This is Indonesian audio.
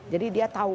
jadi dia tahu